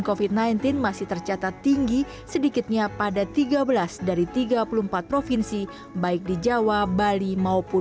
kofit sembilan belas masih tercatat tinggi sedikitnya pada tiga belas dari tiga puluh empat provinsi baik di jawa bali maupun